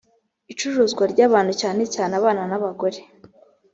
icuruzwa ry abantu cyane cyane abana n abagore